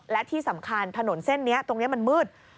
และที่สำคัญถนนเส้นนี้ตรงนี้มันมืด